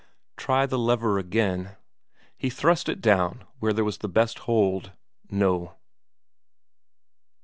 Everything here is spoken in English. Try the lever again? He thrust it down where there was best hold no.